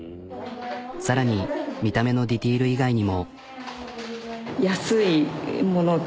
更に見た目のディテール以外にも。